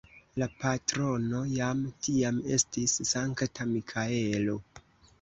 La patrono jam tiam estis Sankta Mikaelo.